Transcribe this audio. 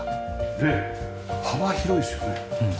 で幅広いですよね。